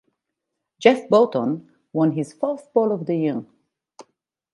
Jeff Burton won his fourth pole of the year.